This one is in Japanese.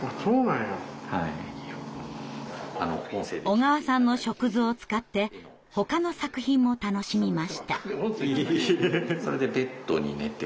小川さんの触図を使ってほかの作品も楽しみました。